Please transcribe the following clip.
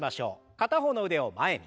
片方の腕を前に。